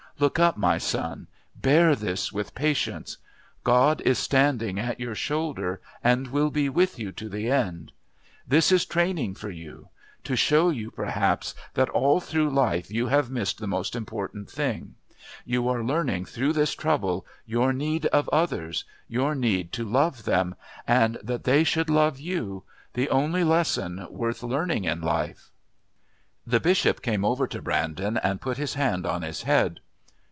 Look up, my son, bear this with patience. God is standing at your shoulder and will be with you to the end. This is training for you. To show you, perhaps, that all through life you have missed the most important thing. You are learning through this trouble your need of others, your need to love them, and that they should love you the only lesson worth learning in life...." The Bishop came over to Brandon and put his hand on his head.